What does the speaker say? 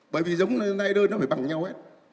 bởi vì giống này đơn nó phải bằng nhau hết